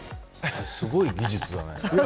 すごい技術だね。